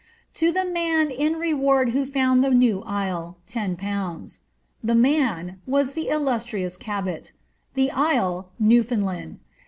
To the man in reward who found the new isle, lOZ." *' The man^^ was the illustrious Cabot, '^ the isle,^' Newfoundland.